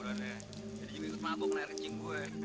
jadi juga ikut mabuk nanya rejing gue